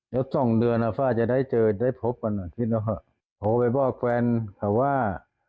เดี๋ยว๒เดือนฝ้าจะได้เจอจะได้พบพอไปบอกแฟนข้าว่า